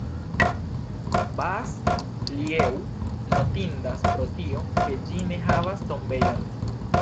Bas-Lieu notindas pro tio, ke ĝi ne havas tombejon.